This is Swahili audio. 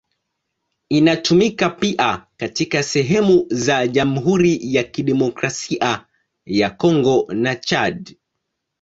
Inatumika pia katika sehemu za Jamhuri ya Kidemokrasia ya Kongo na Chad.